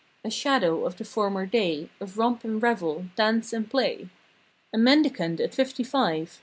A shadow of the former day Of romp and revel; dance and play. A mendicant at fifty five!